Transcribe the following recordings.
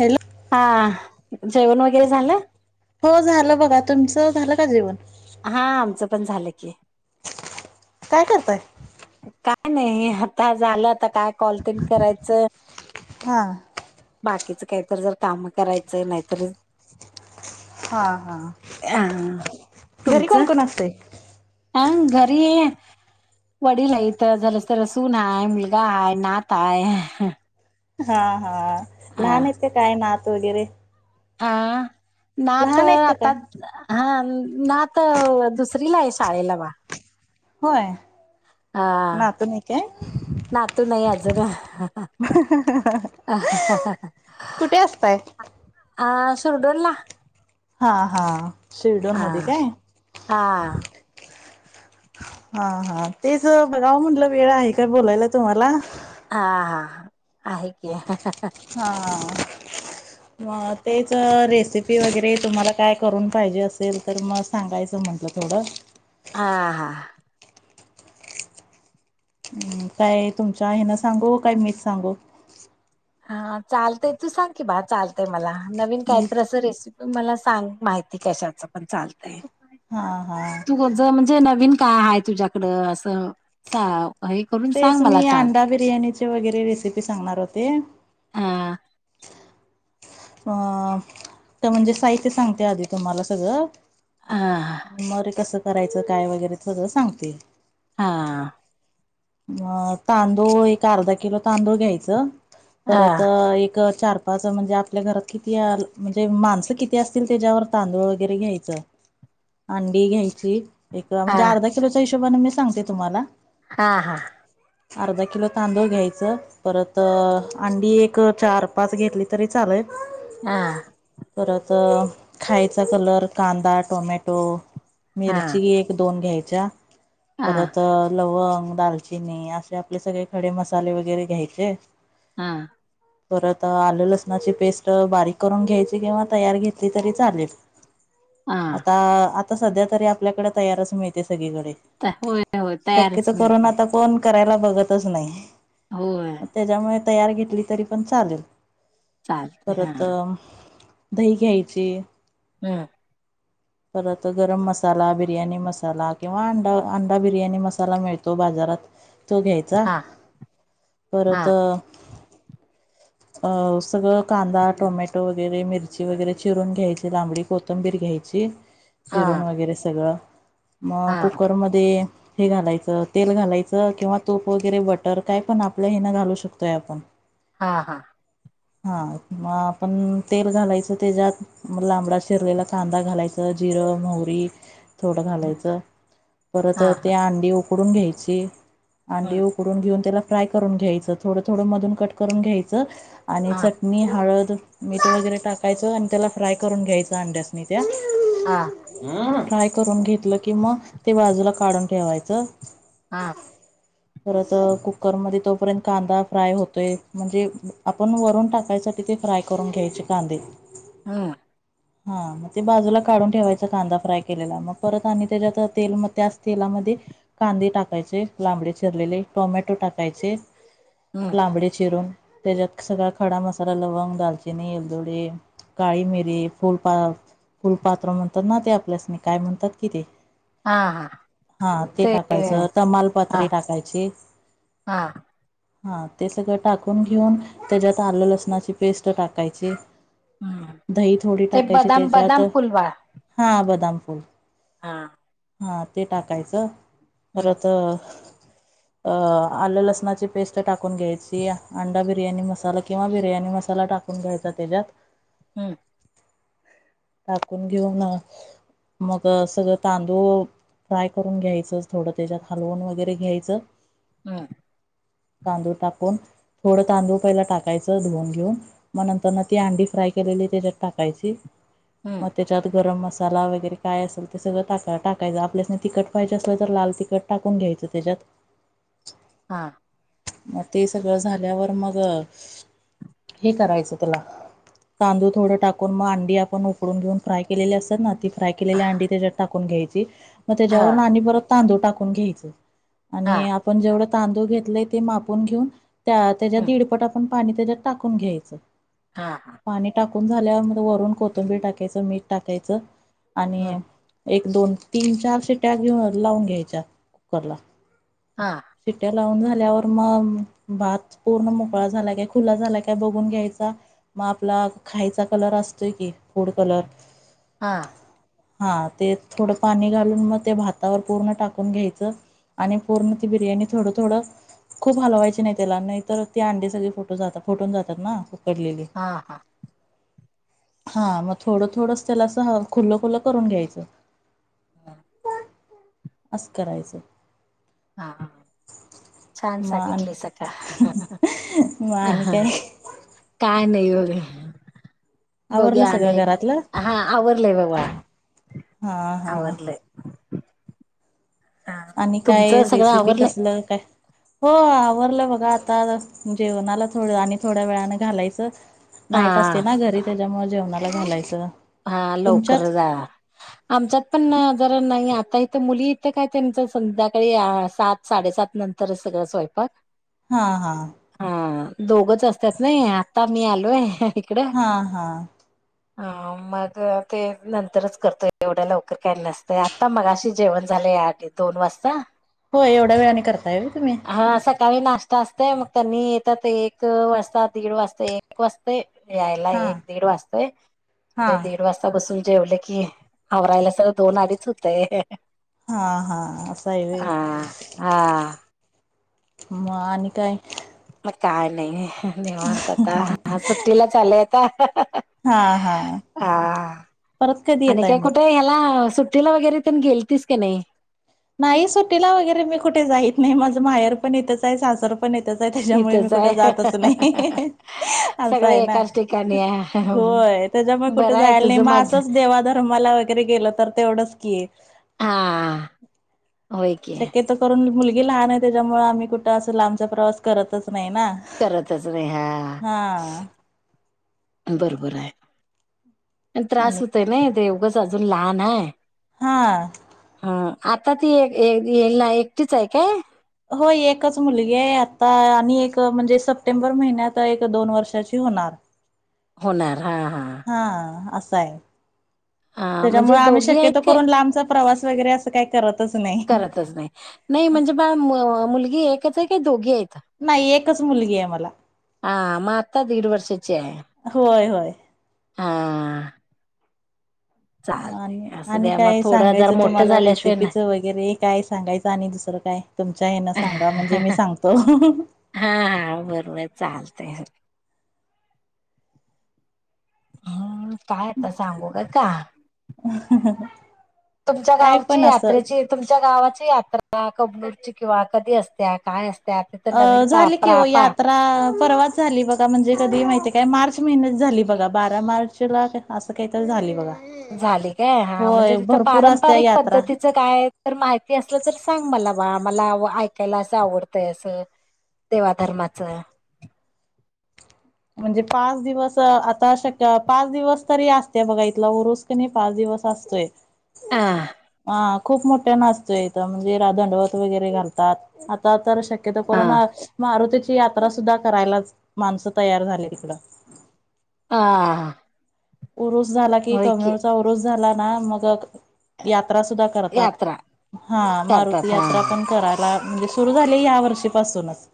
Hello हा जेवण वगैरे झालं हो झालं बघा तुमचं झालं का जेवण हा आमचं पण झालं की काय करताय काय नाही आता झालं आता काय कॉल तन करायचं हा बाकीच काहीत जर काम करायचं नाहीतर हा हा अ घरी कोण कोण असते हह घरी वडील आहे इथ झालंस तर सून आहे मुलगा आहे नात आहे हा हा लहान हाय काय नात वगैरे हा नात तर लहान आहेत का काय आता हा नात दुसरी होय हा नातू नाही काय नातू नाहीय अजून अ कुठे असताय हा सुुरडूला हा हा शविडन मध्ये काय हा हा हा तेच बघाव म्हटलं वेळ आहे काय बोलायला तुम्हाला हा हा ह आहे की हा मग तेच रेसिपी वगैरे तुम्हाला काय करून पाहिजे असेल तर मग सांगायचं म्हटलं थोडं हा हा हम् काय तुमच्या हन सांगू काय मीच सांगू हा चालतय तू सांग की बा चालतय मला नवीन मी काहीत अस रेसिपी मला सांग माहिती कशाच पण चालतय हा हा तू म्हणजे नवीन काय आहेय तुझ्याकडं असं हे करून तेच सांग मी मला चाल अंडा बिर्याणीचे वगैरे रेसिपी सांगणार होते हा अ तर म्हणजे साहित्य सांगते आधी तुम्हाला सगळं हा आणि मग कसं करायचं काय वगैरे सगळं सांगते हा म तांदूळ एक अर्धा किलो तांदूळ घ्यायच हा परत एक चार पाच म्हणजे आपल्या घरात किती म्हणजे माणसं किती असतील त्याच्यावर तांदूळ वगैरे घ्यायचं अंडी घ्यायची एक म्हणजे हा अर्धा किलोच्या हिशोबाने मी सांगते तुम्हाला हा हा अर्धा किलो तांदूळ घ्यायचं परत अंडी एक चार पाच घेतली तरी चालेय हह तर खायचा कलर कांदा टोमॅटो हा मिरची एक दोन घ्यायची हा परत लवंग दाल नाही असे आपले सगळे खडे मसाले वगैरे घ्यायचे. हा. परत आलू लसणाची पेस्ट बारीक करून घ्यायची किंवा तयार घेतली तरी चालेल. आता हा आता सध्या तरी आपल्याकडे तयारच माहती. सगळीकडे होय होय शक्यत तयारच मिळते करून आता कोण करायला बघतच नाही. होय. त्याच्यामुळे तयार घेतली तरी पण चालेल. चालते परत हा. दही घ्यायचे. हम्म. ह. परत गरम मसाला बिर्याणी मसाला किंवा अंडा अंडा बिर्याणी मसाला मिळतो बाजारात तो घ्यायचा हा हा परत अ सगळं कांदा टोमॅटो वगैरे मिरची वगैरे चिरून घ्यायची लांबडी कोथंबीर घ्यायची. हा चिरून वगैरे सगळं. मग हा कुकरमध्ये हे घालायचं तेल घालायचं. किंवा तूप वगैरे बटर काय पण आपल्या हिन घालू शकतोय आपण हा हा. हा मग आपण तेल घालायचं त्याच्यात लांबडा शिरलेला कांदा घालायच. जीरो महरी थोडं घालायचं परत हा ते हा अंडी उकडून घ्यायची. अंडी हम्म, उकडून घेऊन त्याला फ्राय करून घ्यायचं थोडं थोडं मधून कट करून घ्यायचं. आणि हा चटणी हळद मीठ वगैरे टाकायचं आणि त्याला फ्राय करून घ्यायचं अंड्यासनी त्या हा फ्राय करून घेतलं कि मग ते बाजूला काढून ठेवायचं. हा. परत कुकर मध्ये तोपर्यंत कांदा फ्राय होतोय म्हणजे आपण वरून टाकायच. साठी ते फ्राय करून घ्यायचे कांदे हम्म हा मग ते बाजूला काढून ठेवायच कांदा फ्राय केलेला मग परत आणि त्याच्यात तेल त्याच तेलामध्ये कांदे टाकायचे. लांबडे चिरलेले टोमॅटो टाकायचे हम्म, लांबडे चिरून त्याच्यात सगळा खडा मसाला लवंग दालचिनी, एलदोडी काळी मिेरीे फुलपात्र म्हणतात ना ते आपल्यासने काय म्हणतात कि ते- हा हा हा ते टाकायचं तमाल हा तमालपत्र टाकायची. हा हा ते सगळं टाकून घेऊन त्याच्यात आलं लसणाची पेस्ट टाकायची. हम्म, दही थोडी ते टाकायची बदाम त्याच्यात बदाम फुलवा हा बदाम फूल. हा. हा ते टाकायचं हम्म परत. अ आलं लसणाची पेस्ट टाकून घ्यायची अंडा बिर्याणी मसाला किंवा बिर्याणी मसाला टाकून घ्यायचा त्याच्यात हम्म. टाकून घेऊ ना. मग सगळं तांदूळ फ्राय करून घ्यायचंच थोडं त्याच्यात हलवून वगैरे वगैरे घ्यायचं. हम्. तांदूळ टाकून थोडं तांदूळ पहिला टाकायचं धुवून घेऊन मग नंतर न ती अंडी फ्राय केलेलं त्याच्यात टाकाय हम्म मग त्याच्यात गरम. मसाला वगैरे काय असेल ते सगळं टाका टाकायचं आपल्यास नाही तिखट पाहिजे असलं तर लाल तिखट टाकून घ्यायचं. तच्यात हा. मग ते सगळं झाल्यावर मग हे करायचं तुला. तांदूळ थोडं टाकून मग अंडी आपण उकडून घेऊन फ्राय केलेली असतात ना ती. फ्राय केलेली अंडी त्याच्यात टाकून घ्यायची मग हा त्याच्यावरून आणि बर तांदूळ टाकून घ्यायच. हा आणि आपण जेवढं तांदूळ घेतलाय ते मापून घेऊन त्या त्याच्या हम्म दीडपट आपण पाणी त्याच्यात टाकून घ्यायचं. हा हा. उकळून झाल्या म वरून कोथंबीर टाकायचं मीठ टाकायचं हम्म आणि. एक दोन तीन चार सिट्या घेऊन लावून घ्यायच्या कुकर ला. हा. लाऊन झाल्यावर मग भात पूर्ण मोकळा झाला काय खुला झाला काय बघून घ्यायचा. मग आपला खायचा कलर असतोय की फूड कलर. हा. हा ते थोडं पाणी घालून मग ते भातावर पूर्ण टाकून घ्यायचं. आणि पूर्ण ती बिर्याणी थोडं थोडं. खूप हलवायची नाही त्याला नाही तर ते अंडी सगळी फोटून जातात ना. उकडलेली हा हा. हा मग थोडं थोडंस त्याला असं खुलं खुलं करून घ्यायचं. अस करायचं. हा हा. छान मग आणि सांगितली अक्का मग आणि काय काय नाही. आवरलं बघूया सगळं घरातलं अनेकदा आवरडलंय बाळा. हा हा. हा, आणि काय तुमचं सगळं रेसिपी आवरलंय कसलं काय? हो आवरलं बघा आता जेवणाला थोड आणि थोड्या वेळाने घालायचं. हा नाईट असते ना घरी त्याच्यामुळे जेवणाला घालायचं. हा लवकर तुमच्यात जा आमच्यात पण ज. नाही नाही आता इथं मुली इथं काय त्यांचं संध्याकाळी सात साडेसात नंतर सगळं स्वयपाक. हा हा. दोघच असतात नय आता मी आलोय. हा हा. हा. मग ते नंतरच करतोय एवढ्या लवकर काही नसतंय आता मगाशी जेवण झालंय - दोन वाजता. होय एवढ्या वेळाने करताये व्हय तुम्ही. काळी नाश्ता असतंय मग त्यांनी येतात एक वाजता दीड वाजता एक वाजतंय. यायला हा एक दीड वाजतंय हा दीड वाजता बसून जेवले की आवरायला दोन अडीच हुतंय हा हा असं आहे होय हा हा मग आणि काय. मग काय नाही हं.. ह निवांत आता सुट्टीला चालंय आता हा हा अ अ परत कधी आणि येताय काय मग कुठे ह्याला सुट्टीला वगैरे तेन गेलतीस का नाय. नाही सुट्टीला वगैरे मी कुठे जाईत नाही माझं माहेर पण इथच आहे सासर. पण हितंचय त्याच्यामुळे मी इथंच कुठं आहे जातच नाही असं आहे सगळे ना एकाच ठिकाणी आहे. होय तझ्यामुळ कुठ बरं आहे जायला नाही तुझं मग मज असंच देवाधर्माला वगैरे गेलं तर तेवढंच की. हा. होय की शक्यतो करून मुलगी लहान आहे तझ्यामुळ आम्ही कुठं असं लांबचा प्रवास करतच. नाही ना करतच नाही हा. बरोबराय त्रास आणि हुतूय नई ते उगच अजून लहान आहे हा हा आता ती ये- ये - ग हा एकटीच आहे काय होय एकच मुलगी आहे आत्ता आणि एक म्हणजे सप्टेंबर महिन्यात एक दोन वर्षाची होणार. होणार हा असाय हा तझ्यामुळ म्हणजे आम्ही दोघी आहेत शक्यतो काय करून लांबचा प्रवास वगैरे असं काय करत करतच नाही नाही म्हणजे बा म.. - मुलगी एकच आहे का दोघी आहेत नाही एकच मुलगीय मला हा.. म.. आता दीड वर्षाचीय होय होय हा.. आणि चालतय असं आणि द्या मग काय थोडं जरा सांगायचं मोठं तुम्हाला झाल्याशिवाय ना रेसिपीचं वगैरे काय सांगायचं आणि दुसरं काय तुमच्या हेन सांगा म्हणजे मी सांगतो [unintelligible] हा बरंबर चालतंय हम्म काय आता सांगू काय का [inaudible] तुमच्या पण गावची असं यात्रेची तुमच्या गावाची यात्रा अ.. कबनूरची किंवा कधी असत्या काय अस अ.. झाली की ओ यात्रा परवाच झाली बघा म्हणजे कधी माहितीये काय मार्च महिन्यात झाली बघा बारा मार्चला असं काही तर झाली बघा झाली काय हा म्हणजे होय तिथं भरपूर असत्या पारंपरिक यात्रा पद्धतीचं काय तर माहिती असलं तर सांग मला मला ऐकायला असं आवडतंय असं देवाधर्माच म्हणजे पाच दिवस आता शक्य पाच दिवस तरी असतेय बघा इथला उरूस क नइ पाच दिवस असतोय आ हा खूप मोठ्यानं असतोय इथं म्हणजे [unintelligible] दंडवत वगैरे घालतात आता तर शक क्यतो हा [unintelligible] मारुतीची यात्रा सुद्धा करायलाच माणसं तयार झाली हिकडं ह उरुस झाला की कबनूरचा उरुस झाला ना मग यात्रा सुद्धा करतात यात्रा हा.. मारुती करतात हा यात्रा पण करायला म्हणजे सुरू झाली या वर्षीपासूनच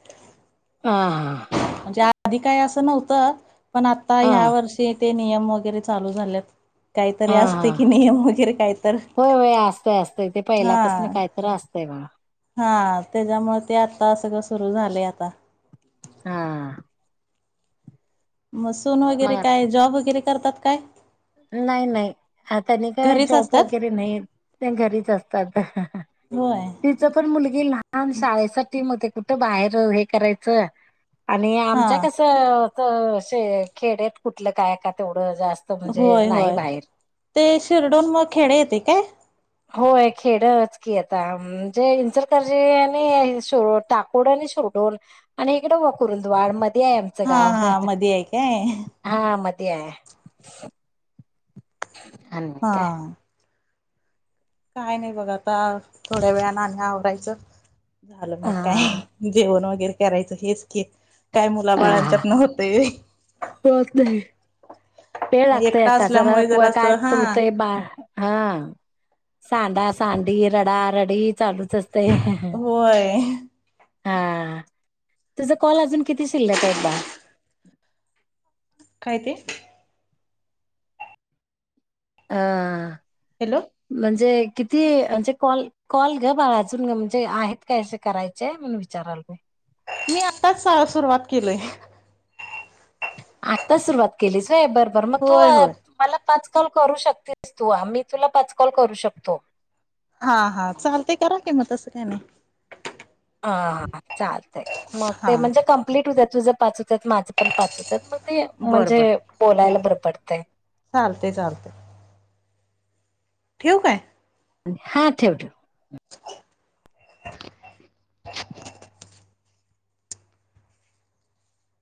हह हा म्हणजे आधी काही असं नव्हतं पण आता ह्या हा वर्षी ते नियम वगैरे चालू झालेत हा काहीतरी असते हा की नियम वगैरे काहीतर होय होय असतय असतं तेे हा. पहिल्यापासन काहीत असत तेव हा त्याच्यामुळे ते आता सगळं सुरु झाले आता हा मसून वगैरे मग काय जॉब वगैरे करतात काय नाही नाही आ त्यांनी काय घरीच जॉब असतात वगैरे नाही घरीच असतात होय तिच पण मुलगी लहान शाळेसाठी मते कुठं बाहेर हे करायचं आणि हा आमच्या कस असे खेडत कुठलं काय का तेवढं जात होय होय ते शिर्डून मग खेडे येते काय होय खेडच की आता म्हणजे इंचरकरजी आणि टाकोड आणि ोडून आणि इकड व करंदवाड म. [inaudible] मध्ये आहे आमचं हा गाव हा मध्ये आहे काय हा मध्ये आहे अन हा का. [inaudible] काय नाही बघ आता थोड्या वेळा ना आवरायचं झालं मग हा काही जेवण वगैरे करायचं हेच के काय मुला हा बाळांच्यात नव्हते पेळ लागतय एका असल्यामुळे सारकु जरा काय असं हा तुटतय बा हा सांडा सांडी रडा रडी चालूच असते. [inaudible] होय हा तुझ कॉल अजून किती शिल्लक [inaudible] आहेत बा काय ते अ हॅलो म्हणजे किती म्हणजे कॉल कॉल ग बा अजून ग म्हणजे आहेत काय असे करायचे म्हणून विचारायलो मी आताच सुरुवात केलय. आता सुरुवात केलीस व्हय बरबर मग तू होय होय मला पाच कॉल करू शकतेस तू आम्ही तुला पाच कॉल करू शकतो. हा हा चालते करा कि म तसं काय नाही हा चालतय मग ते हां म्हणजे कंप्लीट होऊदयात तुझं पाच होत माझं पण पाच तर मग ते बरं म्हणजे बरं बोलायला बर पडतय. चालते चालते. ठेऊ काय हा ठेव ठेव [unintelligible]